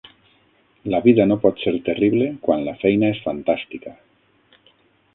La vida no pot ser terrible quan la feina és fantàstica.